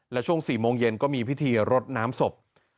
และช่วง๔โมงเย็นก็มีพิธีรดน้ำศพ